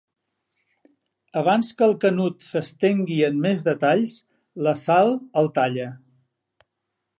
Abans que el Canut s'estengui en més detalls la Sal el talla.